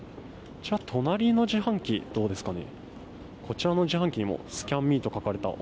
隣の自販機、どうですかね。